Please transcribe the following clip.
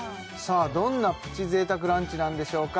どんなプチ贅沢ランチなんでしょうか